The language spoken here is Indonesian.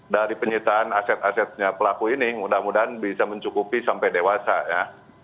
dari penyitaan aset asetnya pelaku ini mudah mudahan bisa mencukupi sampai dewasa ya